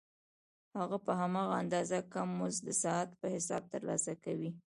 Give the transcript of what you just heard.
هغه په هماغه اندازه کم مزد د ساعت په حساب ترلاسه کوي